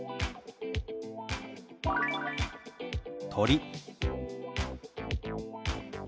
「鳥」。